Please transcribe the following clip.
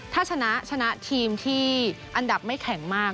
ถ้าชนะชนะทีมที่อันดับไม่แข็งมาก